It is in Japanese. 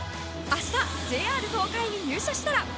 明日、ＪＲ東海に入社したら？